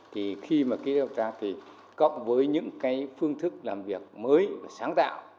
thì khi mà ký kết hợp tác thì cộng với những cái phương thức làm việc mới và sáng tạo